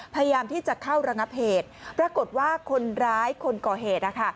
พยายามที่จะเข้าระงับเหตุปรากฏว่าคนร้ายคนก่อเหตุ